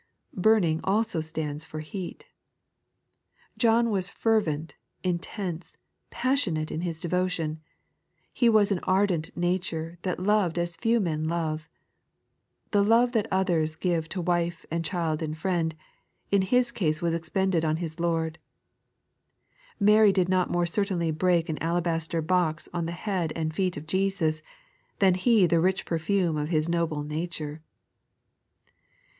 Bwming also slands/or heat. John was fervent, intense, passionate, in his devotion. His was an ardent nature, that loved as few men love. The love that others give to wife and child and friend, in his case was expended on his Iiord. Mary did not more certainly break an alabaster box on the head and feet of Jesus, than he the rich perfume of his noble nature.